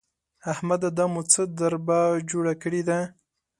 احمده! دا مو څه دربه جوړه کړې ده؟!